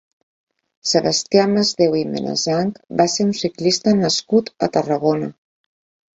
Sebastià Masdeu i Menasanch va ser un ciclista nascut a Tarragona.